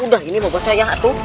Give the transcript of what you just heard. udah ini mau buat saya tuh